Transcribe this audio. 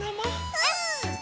うん。